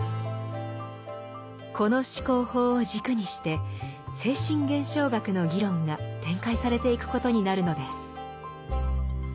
この思考法を軸にして「精神現象学」の議論が展開されていくことになるのです。